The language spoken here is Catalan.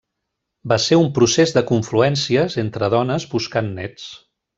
Va ser un procés de confluències entre dones buscant néts.